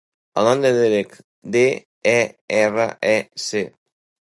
El nom és Derek: de, e, erra, e, ca.